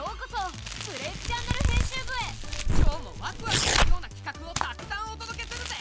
今日もワクワクするようなきかくをたくさんお届けするぜ！